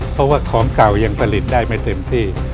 เพราะว่าของเก่ายังผลิตได้ไม่เต็มที่